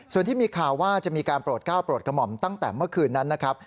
ส่วนที่มีข่าวว่าจะมีการโปรดก้าวโปรดกระหม่อมตั้งแต่เมื่อคืนนั้นนะครับ